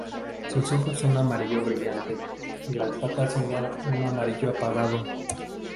Sus ojos son amarillo brillante y las patas son de un amarillo apagado.